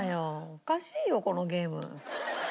おかしいよこのゲーム。